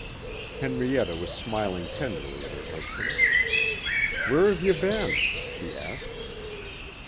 Henrietta was smiling tenderly at her husband. "Where have you been?" she asked.